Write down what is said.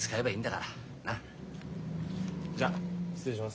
な。じゃ失礼します。